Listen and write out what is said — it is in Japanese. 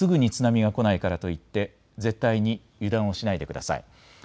すぐに津波が来ないからといって絶対に油断をしないでください。